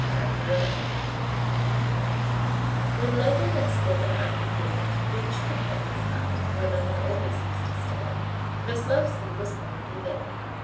Chapter 11 When Levin and Stepan Arkadyevitch reached the peasant's hut where Levin always used to stay, Veslovsky was already there.